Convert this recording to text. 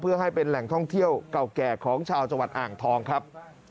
เพื่อให้เป็นแหล่งท่องเที่ยวเก่าแก่ของชาวจังหวัดอ่างทองครับ